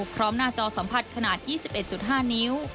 หน้าจอสัมผัสขนาด๒๑๕นิ้ว